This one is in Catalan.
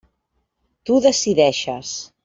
Tu decideixes.